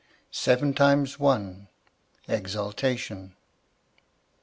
SEVEN TIMES ONE. EXULTATION.